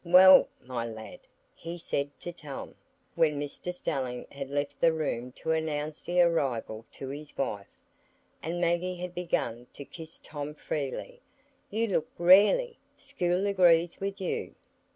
"Well, my lad," he said to Tom, when Mr Stelling had left the room to announce the arrival to his wife, and Maggie had begun to kiss Tom freely, "you look rarely! School agrees with you."